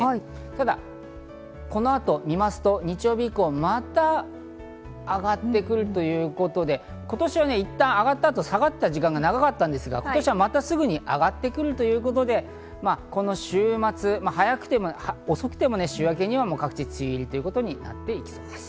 ただこの後を見ますと日曜日以降、また上がってくるということで、今年はいったん上がった後、下がった時間が長かったんですが今年はまたすぐ上がってくるということで、この週末、遅くても週明けには各地梅雨入りということになっていきそうです。